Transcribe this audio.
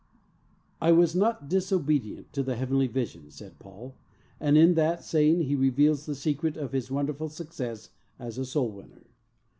"I WAS not disobedient to the heavenly vision," said Paul, and in that saying he reveals the secret of his wonderful success as a soul winner.